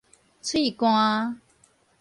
喙捾